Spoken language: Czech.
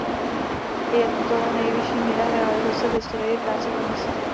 Je to nejvyšší míra realizace v historii práce Komise.